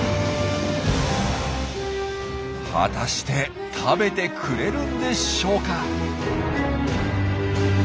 果たして食べてくれるんでしょうか？